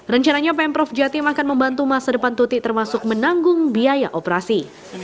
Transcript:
rencananya pemprov jatim akan membantu masa depan tutik termasuk menanggung biaya operasi